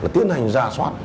tiến hành ra soát